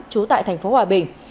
trú tại thành phố hòa bình